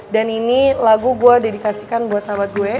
dan ini lagu gue dedikasikan buat sahabat gue